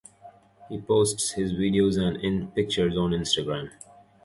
He posts his videos and pictures on Instagram.